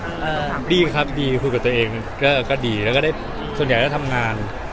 อศนธรรมดีครับดีคุยกับตัวเองก็ดีส่วนใหญ่ได้ทำงาน